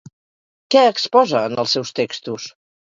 Què exposa en els seus textos?